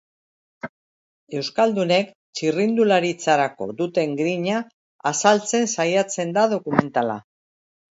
Euskaldunek txirrindularitzarako duten grina azaltzen saiatzen da dokumentala.